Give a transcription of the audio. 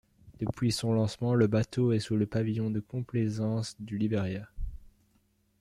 Depuis son lancement le bateau est sous le pavillon de complaisance du Liberia.